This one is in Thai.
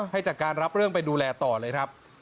ให้จากการรับเรื่องไปดูแลต่อเลยครับ